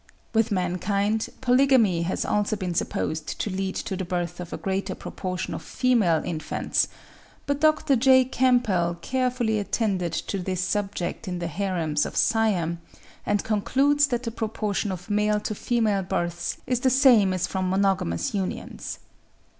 With mankind, polygamy has also been supposed to lead to the birth of a greater proportion of female infants; but Dr. J. Campbell (57. 'Anthropological Review,' April 1870, p. cviii.) carefully attended to this subject in the harems of Siam, and concludes that the proportion of male to female births is the same as from monogamous unions.